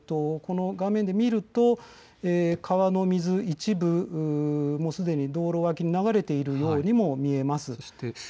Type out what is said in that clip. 画面で見ると川の水、一部、もうすでに道路脇に流れているようにも見えます。